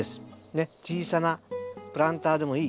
ねっ小さなプランターでもいい。